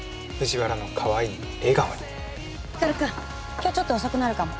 今日ちょっと遅くなるかも。